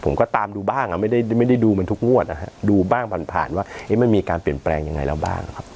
ผมก็ตามดูบ้างไม่ได้ดูมันทุกงวดนะฮะดูบ้างผ่านผ่านว่ามันมีการเปลี่ยนแปลงยังไงแล้วบ้างครับ